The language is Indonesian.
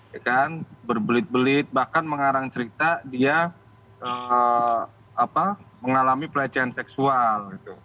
ya kan berbelit belit bahkan mengarang cerita dia mengalami pelecehan seksual